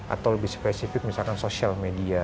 atau lebih spesifik misalkan social media